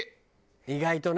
意外とね。